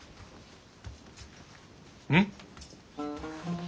うん？